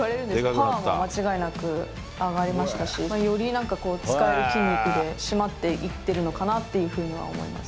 パワーも間違いなく上がりましたし、よりなんか使える筋肉で締まっていってるのかっていうふうには思います。